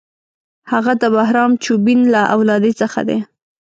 هغه د بهرام چوبین له اولادې څخه دی.